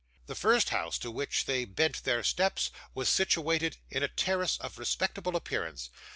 The first house to which they bent their steps, was situated in a terrace of respectable appearance.